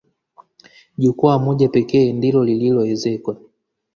Jukwaa moja pekee ndilo lililoezekwa.